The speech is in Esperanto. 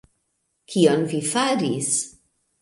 Kion vi faris?